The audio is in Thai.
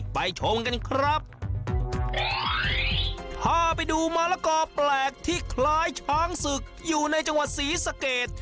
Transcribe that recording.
ชมกันครับพาไปดูมะละกอแปลกที่คล้ายช้างศึกอยู่ในจังหวัดศรีสะเกด